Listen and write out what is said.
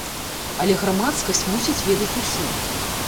Але грамадскасць мусіць ведаць усё.